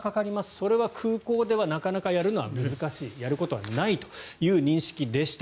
それは空港ではなかなかやるのは難しいやることはないという認識でした。